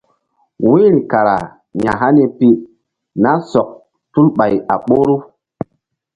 Wu̧yri kara ya̧hani pi nah sɔk tul ɓay a ɓoru.